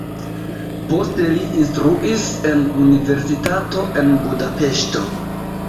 Poste li instruis en universitato en Budapeŝto.